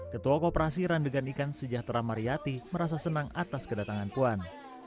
ketua koperasi randegan ikan sejahtera mariyati merasa senang atas kedatangan puan